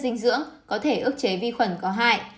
dinh dưỡng có thể ước chế vi khuẩn có hại